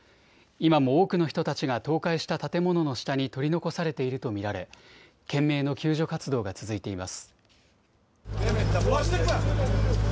今も多くの人たちが倒壊した建物の下に取り残されていると見られ懸命の救助活動が続いています。